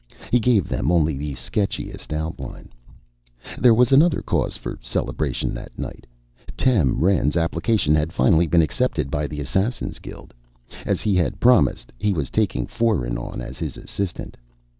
He gave them only the sketchiest outline. There was another cause for celebration that night. Tem Rend's application had finally been accepted by the Assassin's Guild. As he had promised, he was taking Foeren on as his assistant.